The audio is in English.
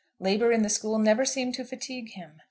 Labour in the school never seemed to fatigue him.